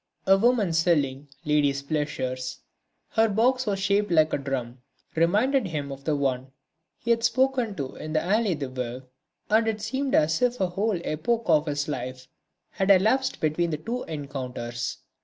A woman selling "ladies' pleasures," her box was shaped like a drum reminded him of the one he had spoken to in the Allée des Veuves, and it seemed as if a whole epoch of his life had elapsed between the two encounters.